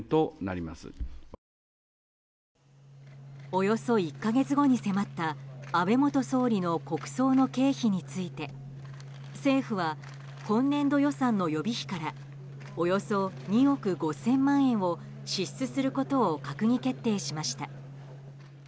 およそ１か月後に迫った安倍元総理の国葬の経費について政府は今年度予算の予備費からおよそ２億５０００万円を支出することを閣議決定しました。